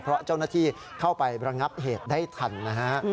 เพราะเจ้าหน้าที่เข้าไประงับเหตุได้ทันนะฮะ